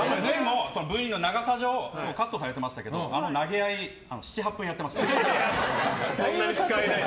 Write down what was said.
Ｖの長さ上カットされてましたけど投げ合い７８分やってました。